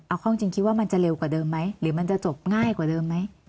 เอาเข้าจริงคิดว่ามันจะเร็วกว่าเดิมไหมหรือมันจะจบง่ายกว่าเดิมไหม